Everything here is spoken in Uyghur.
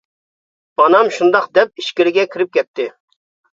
ئانام شۇنداق دەپ ئىچكىرىگە كىرىپ كەتتى.